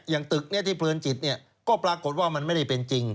อย่างตึกที่เพลินจิตก็ปรากฏว่ามันไม่ได้เป็นจริง